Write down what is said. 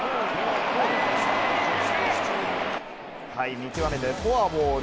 見極めてフォアボール。